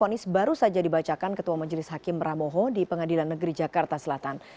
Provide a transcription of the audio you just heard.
fonis baru saja dibacakan ketua majelis hakim ramoho di pengadilan negeri jakarta selatan